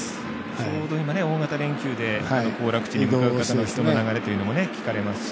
ちょうど今、大型連休で行楽地に向かう人の流れも聞かれますし。